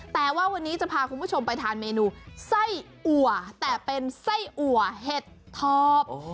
แต่ว่าวันนี้จะพาคุณผู้ชมไปทานเมนูไส้อัวแต่เป็นไส้อัวเห็ดทอบ